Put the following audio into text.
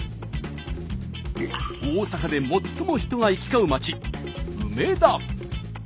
大阪で最も人が行き交う街梅田。